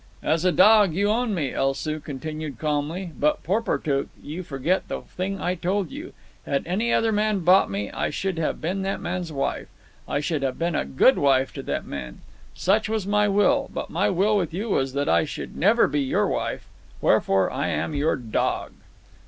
"As a dog you own me," El Soo continued calmly. "But, Porportuk, you forget the thing I told you. Had any other man bought me, I should have been that man's wife. I should have been a good wife to that man. Such was my will. But my will with you was that I should never be your wife. Wherefore, I am your dog."